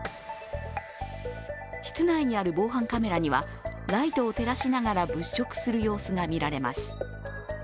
室内にある防犯カメラには、ライトを照らしながら物色する様子がみられます。